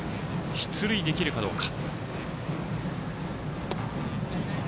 出塁できるかどうか。